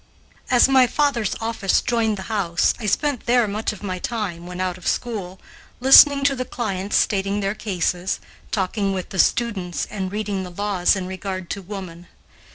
As my father's office joined the house, I spent there much of my time, when out of school, listening to the clients stating their cases, talking with the students, and reading the laws in regard to woman.